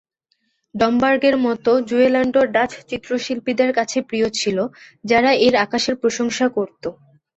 ডমবার্গের মতো জুয়েল্যান্ডও ডাচ চিত্রশিল্পীদের কাছে প্রিয় ছিল, যারা এর আকাশের প্রশংসা করত।